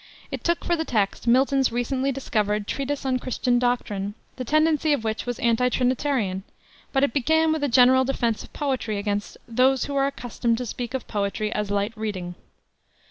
It took for a text Milton's recently discovered Treatise on Christian Doctrine the tendency of which was anti Trinitarian but it began with a general defense of poetry against "those who are accustomed to speak of poetry as light reading."